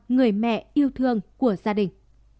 người mẹ yêu thương của gia đình